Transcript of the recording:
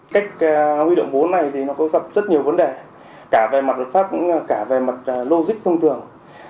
cách huy động vốn này có rất nhiều vấn đề cả về mặt luật pháp cũng như logic thông thường